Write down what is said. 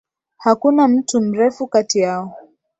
Hakuna mtu mrefu kati yao